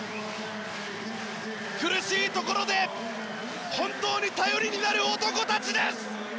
苦しいところで本当に頼りになる男たちです！